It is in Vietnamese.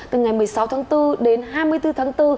từ ngày một mươi sáu tháng bốn đến hai mươi bốn tháng bốn